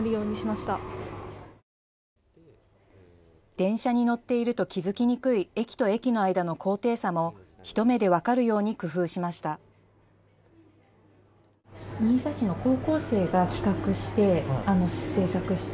電車に乗っていると気付きにくい駅と駅の間の高低差も一目で分かるように工夫しました。